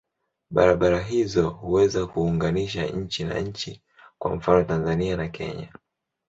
Barabara hizo huweza kuunganisha nchi na nchi, kwa mfano Tanzania na Kenya.